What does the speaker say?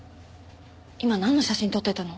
今なんの写真撮ってたの？